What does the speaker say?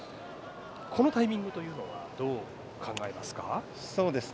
このタイミングというのはどう考えますか？